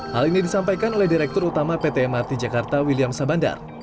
hal ini disampaikan oleh direktur utama pt mrt jakarta william sabandar